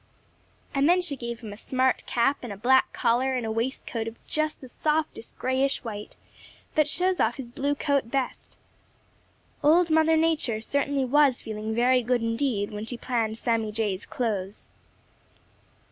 And then she gave him a smart cap and a black collar and a waistcoat of just the softest grayish white, that shows off his blue coat best. Old Mother Nature certainly was feeling very good indeed when she planned Sammy Jay's clothes.